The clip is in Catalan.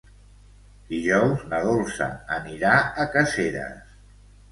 Dijous na Dolça anirà a Caseres.